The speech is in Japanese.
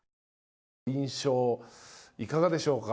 印象、いかがでしょうか。